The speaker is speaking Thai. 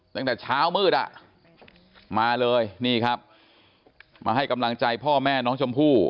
ตั้งแต่เช้ามืดอ่ะมาเลยนี่ครับมาให้กำลังใจพ่อแม่น้องชมพู่